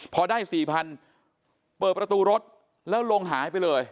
พอได้๔๐๐๐เปิดประตูรถแล้วลงหายไปเลย